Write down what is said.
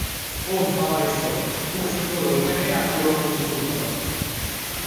ওহ, আমার ঈশ্বর, খুব সুন্দর ওখানেই পুরনো স্কুলঘর।